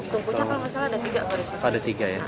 tungkunya kalau tidak salah ada tiga